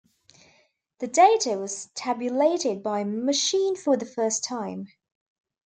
The data was tabulated by machine for the first time.